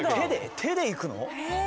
手でいくの？